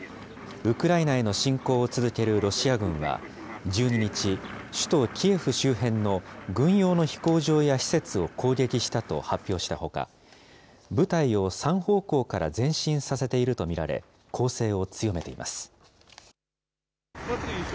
ウクライナへの侵攻を続けるロシア軍は１２日、首都キエフ周辺の軍用の飛行場や施設を攻撃したと発表したほか、部隊を３方向から前進させていると見られ、攻勢を強めています。